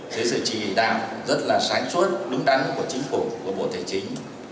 với sự chỉ đạo rất là sáng suốt đúng đắn của chính phủ của bộ thế chính